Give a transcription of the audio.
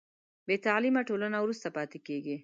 بې تعلیمه ټولنه وروسته پاتې کېږي.